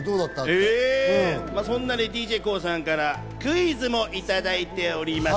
今日はそんなＤＪＫＯＯさんからクイズもいただいております。